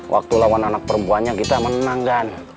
waktu lawan anak perempuannya kita menang gan